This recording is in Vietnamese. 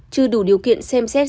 chưa đủ điều kiện xem xét